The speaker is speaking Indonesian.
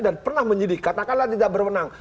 dan pernah menyidik katakanlah tidak berwenang